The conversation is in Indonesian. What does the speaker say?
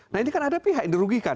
nah ini kan ada pihak yang dirugikan